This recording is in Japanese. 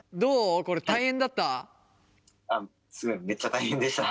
これ大変だった？